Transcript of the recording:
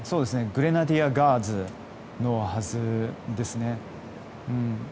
グレナディアガーズのはずですね。